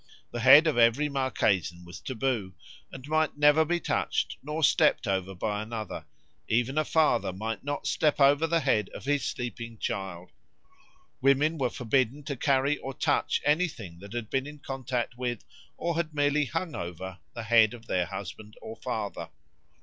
The head of every Marquesan was taboo, and might neither be touched nor stepped over by another; even a father might not step over the head of his sleeping child; women were forbidden to carry or touch anything that had been in contact with, or had merely hung over, the head of their husband or father.